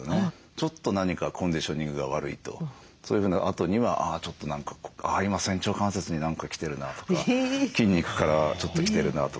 ちょっと何かコンディショニングが悪いとそういうふうなあとにはちょっと仙腸関節に何か来てるなとか筋肉からちょっと来てるなとか。